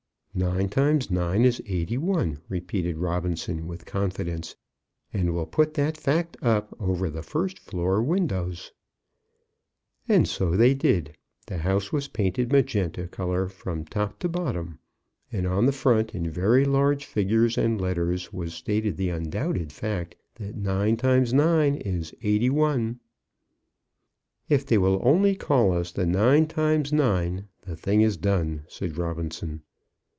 "Nine times nine is eighty one," repeated Robinson with confidence, "and we'll put that fact up over the first floor windows." And so they did. The house was painted magenta colour from top to bottom. And on the front in very large figures and letters, was stated the undoubted fact that nine times nine is 81. "If they will only call us 'The nine times nine,' the thing is done," said Robinson.